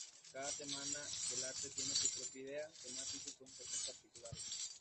Cada Semana del Arte tiene su propia idea, temática y concepto particulares.